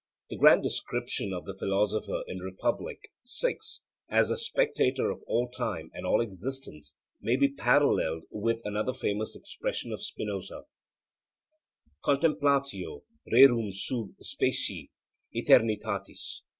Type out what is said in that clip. The grand description of the philosopher in Republic VI, as the spectator of all time and all existence, may be paralleled with another famous expression of Spinoza, 'Contemplatio rerum sub specie eternitatis.'